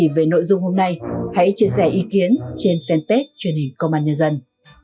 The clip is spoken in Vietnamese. hãy chia sẻ nội dung hôm nay hãy chia sẻ ý kiến trên fanpage truyền hình công an nhà dân